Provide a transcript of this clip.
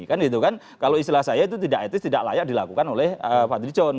kalau istilah saya itu tidak etis tidak layak dilakukan oleh fadri john